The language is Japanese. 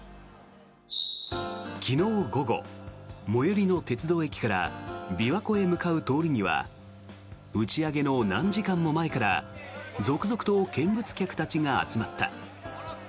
昨日午後、最寄りの鉄道駅から琵琶湖へ向かう通りには打ち上げの何時間も前から続々と見物客たちが集まった。